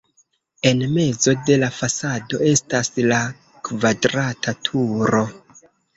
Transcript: En mezo de la fasado estas la kvadrata turo.